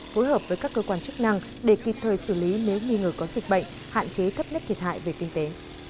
phối hợp với các cơ quan chức năng để kịp thời xử lý nếu nghi ngờ có dịch bệnh hạn chế thấp nhất thiệt hại về kinh tế